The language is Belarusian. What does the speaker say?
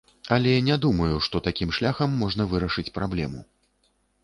Але не думаю, што такім шляхам можна вырашыць праблему.